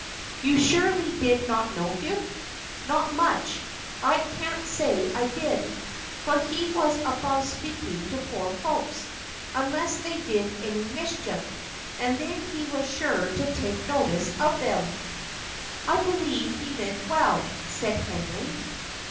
"You surely did not know him!" "Not much, I can't say I did; for he was above speaking to poor folks, unless they did any mischief and then he was sure to take notice of them." "I believe he meant well," said Henry.